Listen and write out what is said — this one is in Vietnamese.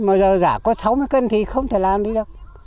mà giờ giả có sáu mươi cân thì không thể làm đi đâu